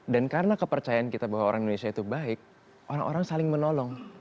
dan karena kepercayaan kita bahwa orang indonesia itu baik orang orang saling menolong